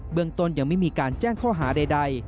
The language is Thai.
เมืองต้นยังไม่มีการแจ้งข้อหาใด